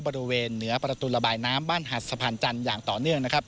บริเวณเหนือประตูระบายน้ำบ้านหัดสะพานจันทร์อย่างต่อเนื่องนะครับ